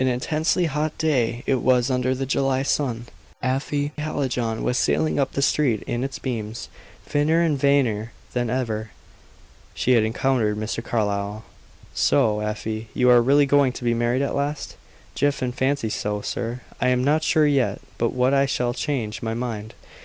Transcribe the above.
An intensely hot day it was under the July sun. Afy Hallijohn was sailing up the street in its beams, finer and vainer than ever. She encountered Mr. Carlyle. "So, Afy, you are really going to be married at last?" "Jiffin fancies so, sir. I am not sure yet but what I shall change my mind.